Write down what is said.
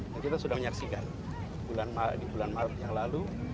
nah kita sudah menyaksikan di bulan maret yang lalu